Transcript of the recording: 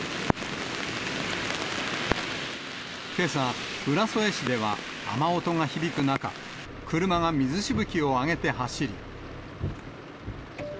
けさ、浦添市では雨音が響く中、車が水しぶきを上げて走り。